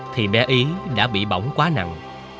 thì bé ý đã bị bỏng quá nặng